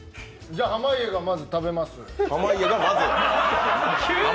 じゃ、濱家がまず食べます。